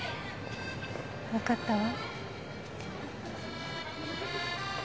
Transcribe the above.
わかったわ。